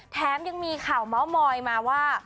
แถมยังมีข่าวเมาส์มอยมาว่า